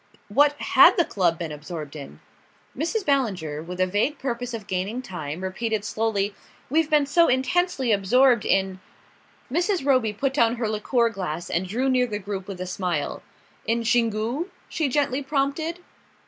What had the club been absorbed in? Mrs. Ballinger, with a vague purpose of gaining time, repeated slowly: "We've been so intensely absorbed in " Mrs. Roby put down her liqueur glass and drew near the group with a smile. "In Xingu?" she gently prompted.